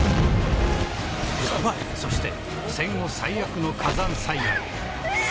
そして、戦後最悪の火山災害。